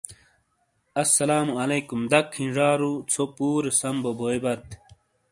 اسلام وعلیکم دَک ہِیں ژارو څھو پورے سَم بو بویئبات۔